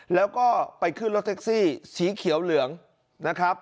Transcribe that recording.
แล้วก็ไปขึ้นรถแท็กซี่สีเขียวเหลืองนะครับ